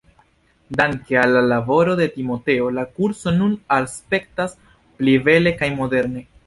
Danke al la laboro de Timoteo, la kurso nun aspektas pli bele kaj moderne.